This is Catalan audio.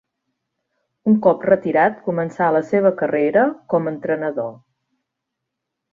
Un cop retirat començà la seva carrera com a entrenador.